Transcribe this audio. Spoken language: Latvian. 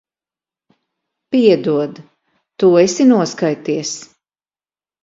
Piedod. Tu esi noskaities.